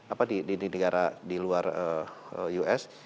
apa di negara di luar us